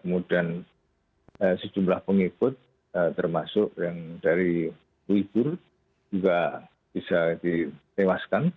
kemudian sejumlah pengikut termasuk yang dari uigur juga bisa ditewaskan